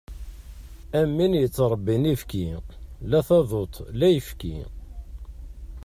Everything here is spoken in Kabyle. Am win yettrebbin ibki, la taduṭ la ayefki.